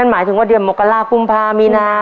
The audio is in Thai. นั่นหมายถึงว่าเดี๋ยวมกระลาคปุ้มพามีนา